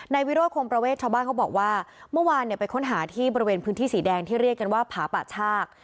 วิโรธคงประเวทชาวบ้านเขาบอกว่าเมื่อวานเนี่ยไปค้นหาที่บริเวณพื้นที่สีแดงที่เรียกกันว่าผาป่าชาก